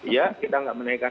ya kita tidak menaikan